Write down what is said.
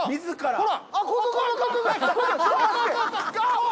ほら！